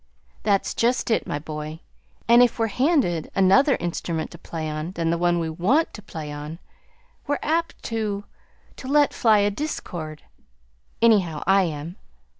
"That's just it, my boy. And if we're handed another instrument to play on than the one we WANT to play on, we're apt to to let fly a discord. Anyhow, I am.